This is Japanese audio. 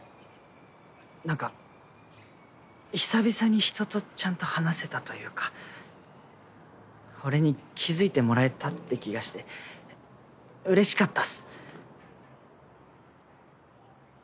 なんか久々に人とちゃんと話せたというか俺に気づいてもらえたって気がして嬉しかったっす。